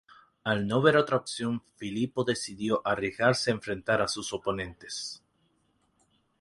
Al no ver otra opción, Filipo decidió arriesgarse a enfrentar a sus oponentes.